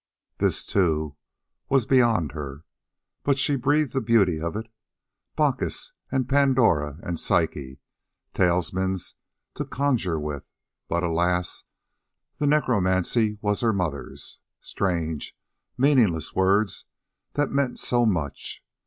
This, too, was beyond her. But she breathed the beauty of it. Bacchus, and Pandora and Psyche talismans to conjure with! But alas! the necromancy was her mother's. Strange, meaningless words that meant so much!